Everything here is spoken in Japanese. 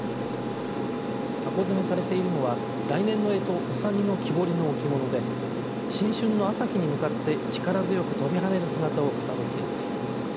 箱詰めされているのは来年のえとうさぎの木彫りの置物で新春の朝日に向かって力強く跳びはねる姿をかたどっています。